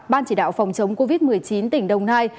ban chỉ đạo phòng chống covid một mươi chín tỉnh đồng nai